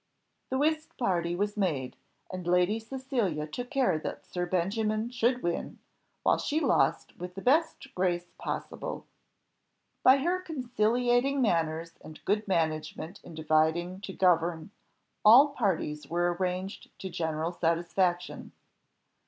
The whist party was made, and Lady Cecilia took care that Sir Benjamin should win, while she lost with the best grace possible. By her conciliating manners and good management in dividing to govern, all parties were arranged to general satisfaction. Mr.